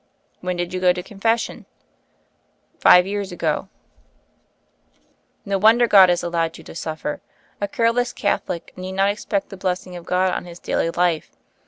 When did you go to confession?" "Five years ago." .1 8o THE FAIRY OF THE SNOWS "No wonder God has allowed you to suffer. A careless Catholic need not expect the blessing of God on his daily life.